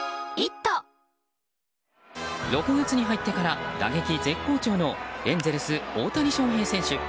６月に入ってから打撃絶好調のエンゼルス、大谷翔平選手。